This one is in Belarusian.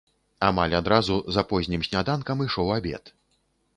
Амаль адразу за познім сняданкам ішоў абед.